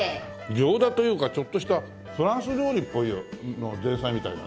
餃子というかちょっとしたフランス料理の前菜みたいだね。